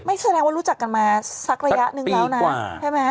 ไม่แสดงว่ารู้จักกันมาสักระยะนึงแล้วนะ